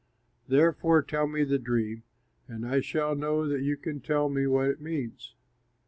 Therefore tell me the dream, and I shall know that you can tell me what it means."